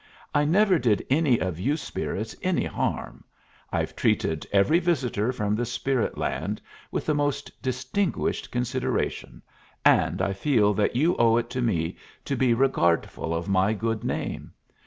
I never did any of you spirits any harm. I've treated every visitor from the spirit land with the most distinguished consideration, and I feel that you owe it to me to be regardful of my good name.